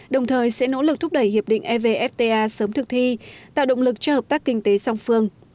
đồng thời sẽ nỗ lực thúc đẩy hiệp định evfta sớm thực thi tạo động lực cho hợp tác kinh tế song phương